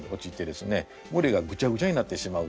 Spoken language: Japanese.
群れがぐちゃぐちゃになってしまうと。